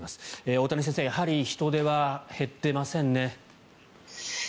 大谷先生やはり人出は減っていませんね。